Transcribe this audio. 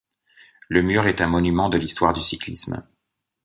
Le Mur est un monument de l'histoire du cyclisme.